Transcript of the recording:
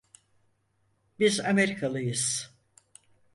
Biz Amerikalıyız.